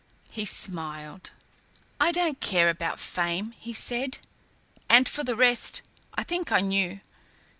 He smiled. "I don't care about fame," he said. "And for the rest, I think I knew."